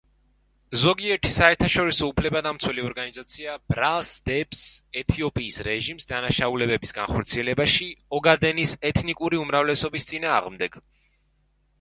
ზოგიერთი საერთაშორისო უფლებადამცველი ორგანიზაცია ბრალს დებს ეთიოპიის რეჟიმს დანაშაულებების განხორციელებაში ოგადენის ეთნიკური უმრავლესობის წინააღმდეგ.